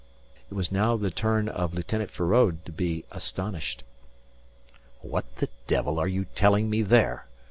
It was now the turn of Lieutenant Feraud to be astonished. "What the devil are you telling me there?"